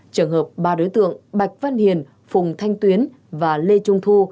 trường hợp ba đối tượng bạch văn hiền phùng thanh tuyến và lê trung thu